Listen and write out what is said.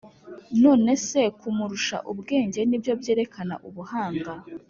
None se kumurusha ubwenge nibyo byerekana ubuhanga